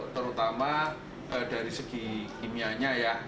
terutama dari segi kimianya ya